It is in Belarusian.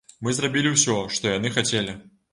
Мы зрабілі ўсё, што яны хацелі.